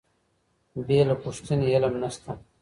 بې له پوښتنې علم نسته.